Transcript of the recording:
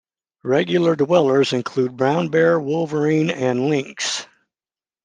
Regular dwellers include brown bear, wolverine and lynx.